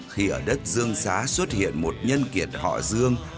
khi ở đất dương xá xuất hiện một nhân kiệt họ dương